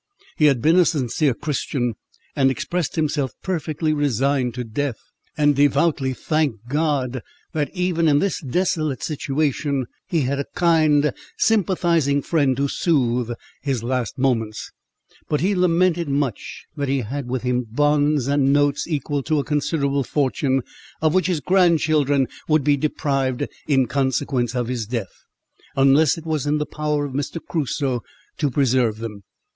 He had been a sincere Christian, and expressed himself perfectly resigned to death, and devoutly thanked God that, even in this desolate situation, he had a kind, sympathizing friend to soothe his last moments; but he lamented much that he had with him bonds and notes equal to a considerable fortune, of which his grandchildren would be deprived, in consequence of his death, unless it was in the power of Mr. Crusoe to preserve them.